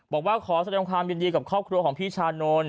บอกว่าขอแสดงความยินดีกับครอบครัวของพี่ชานนท์